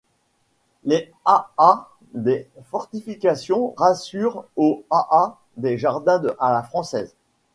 Les ha-ha des fortifications ressemblent aux ha-ha des jardins à la française.